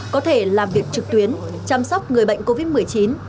có thể làm việc trực tuyến chăm sóc người bệnh covid một mươi chín